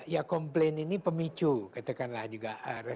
ya komplain ini pemicu katakanlah juga